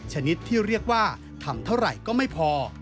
ชนิดที่เรียกว่าทำเท่าไหร่ก็ไม่พอ